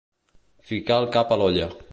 Ficar el cap a l'olla.